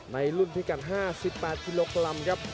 ในรุ่นพริกัน๕๘กรมครับ